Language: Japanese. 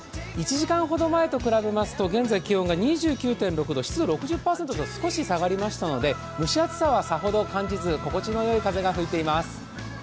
１時間ほど前と比べますと現在気温が２９．６度、湿度６０％と少し下がりましたので蒸し暑さはさほど感じず心地のよい風が吹いています。